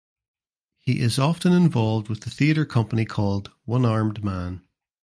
He is often involved with the theater company called One Armed Man.